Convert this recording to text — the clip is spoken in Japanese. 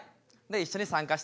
一緒に参加してね。